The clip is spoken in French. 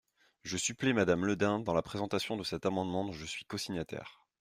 Je supplée Madame Le Dain dans la présentation de cet amendement dont je suis cosignataire.